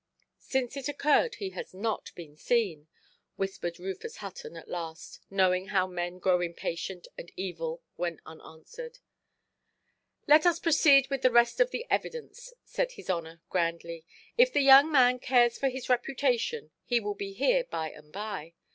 "Since it occurred he has not been seen", whispered Rufus Hutton at last, knowing how men grow impatient and evil when unanswered. "Let us proceed with the rest of the evidence", said his honour, grandly; "if the young man cares for his reputation, he will be here by–and–by.